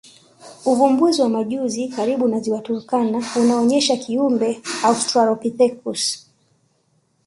Uvumbuzi wa majuzi karibu na Ziwa Turkana unaonyesha kiumbe Australopithecus